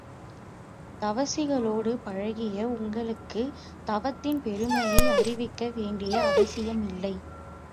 தவசிகளோடு பழகிய உங்களுக்குத் தவத்தின் பெருமையை அறிவிக்க வேண்டிய அவசியம் இல்லை.